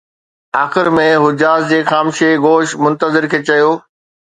آخر ۾ حجاز جي خامشي گوش منتظر کي چيو